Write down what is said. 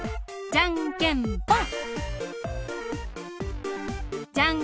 じゃんけんぽん！